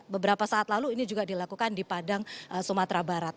beberapa saat lalu ini juga dilakukan di padang sumatera barat